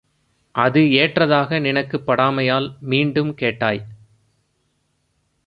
அது ஏற்றதாக நினக்குப் படாமையால் மீண்டும் கேட்டாய்.